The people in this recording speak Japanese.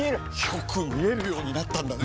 よく見えるようになったんだね！